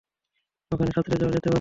ওখানে সাঁতরে যাওয়া যেতে পারে।